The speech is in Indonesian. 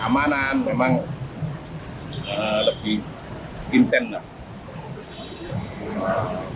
memang lebih intens